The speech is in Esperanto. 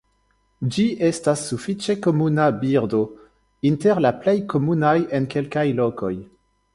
Ĝi estas sufiĉe komuna birdo, inter la plej komunaj en kelkaj lokoj.